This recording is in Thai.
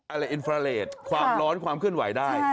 อะไรอินฟราเลสความร้อนความเคลื่อนไหวได้